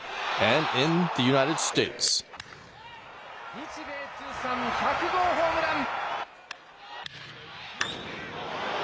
日米通算１００号ホームラン！